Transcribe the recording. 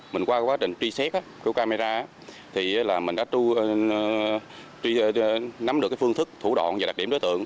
mình qua quá trình truy xét camera thì mình đã nắm được phương thức thủ đoạn và đặc điểm đối tượng